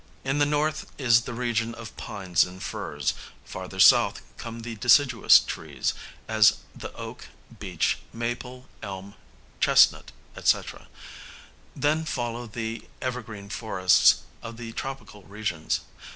In the north is the region of pines and firs; farther south come the deciduous trees, as the oak, beech, maple, elm, chestnut, &c. Then follow the evergreen forests of the tropical regions.